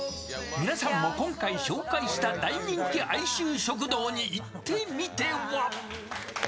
皆さんも今回紹介した大人気愛愁食堂に行ってみては？